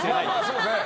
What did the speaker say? そうですね！